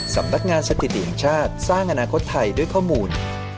สำนักงานสถิติแห่งชาติสร้างอนาคตไทยด้วยข้อมูล